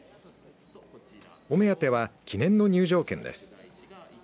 お目当ては記念の入場券です。